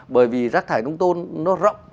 bởi vì rác thải nông thôn nó rộng